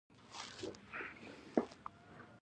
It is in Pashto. دوی شرکتونو ته کارګران لټوي.